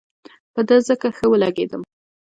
په ده ځکه ښه ولګېدم.